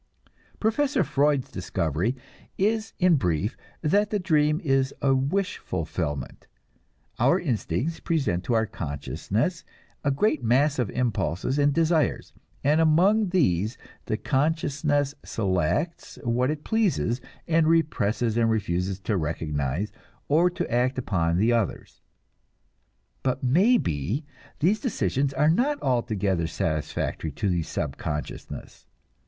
Professor Freud's discovery is in brief that the dream is a wish fulfillment. Our instincts present to our consciousness a great mass of impulses and desires, and among these the consciousness selects what it pleases, and represses and refuses to recognize or to act upon the others. But maybe these decisions are not altogether satisfactory to the subconsciousness.